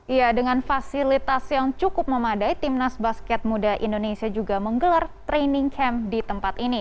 iya dengan fasilitas yang cukup memadai timnas basket muda indonesia juga menggelar training camp di tempat ini